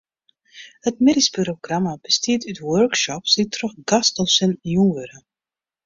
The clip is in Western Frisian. It middeisprogramma bestiet út workshops dy't troch gastdosinten jûn wurde.